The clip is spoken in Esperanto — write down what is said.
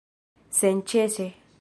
senĉese